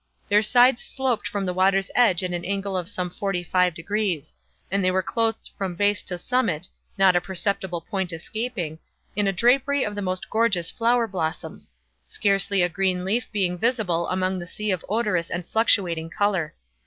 Their sides sloped from the water's edge at an angle of some forty five degrees, and they were clothed from base to summit—not a perceptible point escaping—in a drapery of the most gorgeous flower blossoms; scarcely a green leaf being visible among the sea of odorous and fluctuating color.